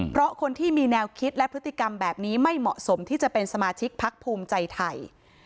เพราะคนที่มีแนวคิดและพฤติกรรมแบบนี้ไม่เหมาะสมที่จะเป็นสมาชิกพักภูมิใจไทย